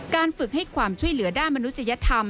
การฝึกให้ความช่วยเหลือด้านมนุษยธรรม